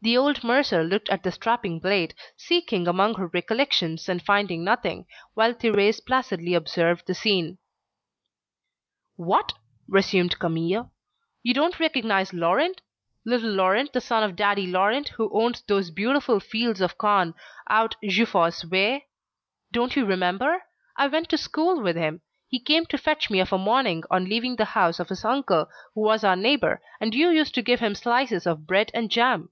The old mercer looked at the strapping blade, seeking among her recollections and finding nothing, while Thérèse placidly observed the scene. "What!" resumed Camille, "you don't recognise Laurent, little Laurent, the son of daddy Laurent who owns those beautiful fields of corn out Jeufosse way. Don't you remember? I went to school with him; he came to fetch me of a morning on leaving the house of his uncle, who was our neighbour, and you used to give him slices of bread and jam."